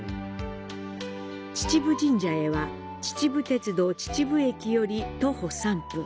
秩父神社へは、秩父鉄道秩父駅より徒歩３分。